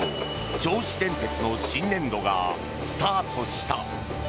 銚子電鉄の新年度がスタートした。